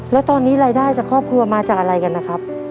แล้วตอนนี้รายได้จากครอบครัวมาจากอะไรกันนะครับ